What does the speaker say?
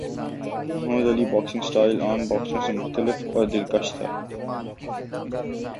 محمد Ali کا boxing style عام باکسروں سے مختلف اور دلکش تھا۔